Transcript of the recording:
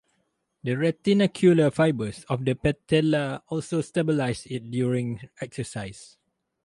The retinacular fibres of the patella also stabilize it during exercise.